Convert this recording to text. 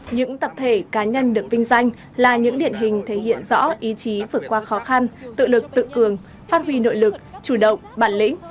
những tập thể cá nhân được vinh danh là những điển hình thể hiện rõ ý chí vượt qua khó khăn tự lực tự cường phát huy nội lực chủ động bản lĩnh